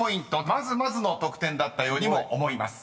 まずまずの得点だったようにも思います］